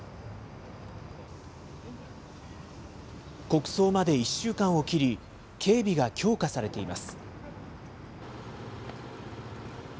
国葬まで１週間を切り、警備が強化されています。